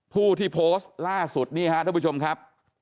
ผู้ที่โพสต์ล่าสุดนี่ฮะทุกผู้ชมครับ